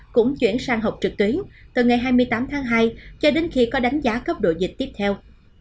cũng chuyển sang học trực tuyến từ ngày hai mươi tám tháng hai cho đến khi có đánh giá cấp độ dịch tiếp theo